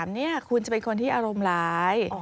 เนี่ยคุณจะเป็นคนที่อารมณ์ร้าย